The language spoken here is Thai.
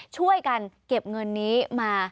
ช่วยกันเก็บเงินนี้มา